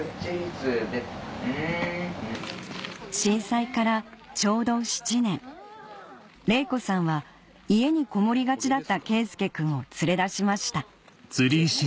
震災からちょうど７年玲子さんは家にこもりがちだった佳祐くんを連れ出しました